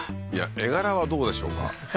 絵柄はどうでしょうかははは